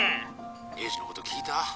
栄治のこと聞いた？